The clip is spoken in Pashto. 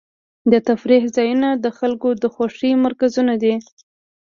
د تفریح ځایونه د خلکو د خوښۍ مرکزونه دي.